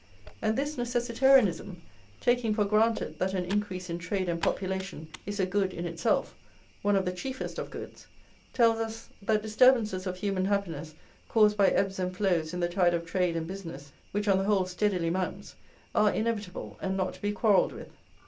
And this necessitarianism, taking for granted that an increase in trade and population is a good in itself, one of the chiefest of goods, tells us that disturbances of human happiness caused by ebbs and flows in the tide of trade and business, which, on the whole, steadily mounts, are inevitable and not to be quarrelled with.